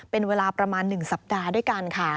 เป็นเวลาประมาณ๑สัปดาห์ด้วยกันค่ะ